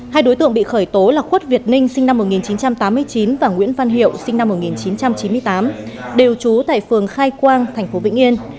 hai đối tượng bị khởi tố là khuất việt ninh sinh năm một nghìn chín trăm tám mươi chín và nguyễn văn hiệu sinh năm một nghìn chín trăm chín mươi tám đều trú tại phường khai quang tp vĩnh yên